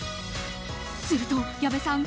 すると、矢部さん